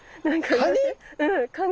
カニ？